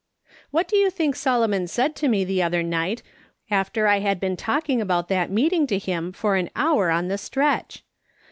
" What do you think Solomon said to me the other night, after I had been talking about that meeting to him for an hour on the stretch